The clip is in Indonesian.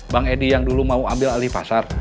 bang edi yang dulu mau ambil alipasar